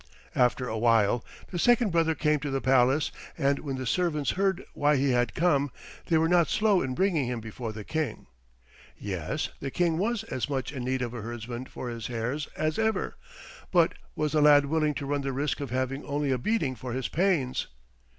After a while the second brother came to the palace, and when the servants heard why he had come they were not slow in bringing him before the King. Yes, the King was as much in need of a herdsman for his hares as ever, but was the lad willing to run the risk of having only a beating for his pains?